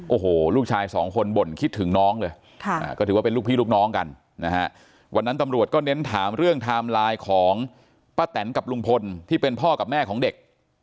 โอ้โหลูกชายสองคนบ่นคิดถึงน้องเลยก็ถือว่าเป็นลูกพี่ลูกน้องกันนะฮะวันนั้นตำรวจก็เน้นถามเรื่องไทม์ไลน์ของป้าแตนกับลุงพลที่เป็นพ่อกับแม่ของเด็ก